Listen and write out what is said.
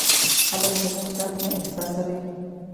خلک زموږ درد نه احساسوي.